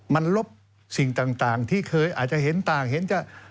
มันลบสิ่งต่างที่เคยอาจจะเห็นต่างเห็นจะ